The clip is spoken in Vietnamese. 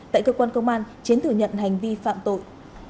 tại cơ quan công an chiến thừa nhận hành vi phạm tội